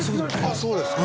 「あっそうですか」